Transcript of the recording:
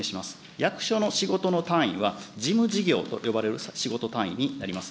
役所の仕事の単位は、事務事業と呼ばれる仕事単位になります。